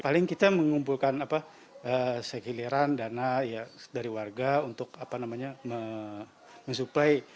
paling kita mengumpulkan sekiliran dana dari warga untuk mensupply